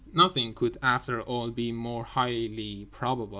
Nothing could after all be more highly probable.